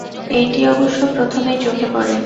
এইটি অবশ্য প্রথমেই চোখে পড়ে।